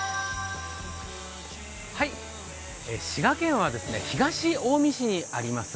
滋賀県は東近江市にあります